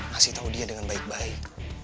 masih tau dia dengan baik baik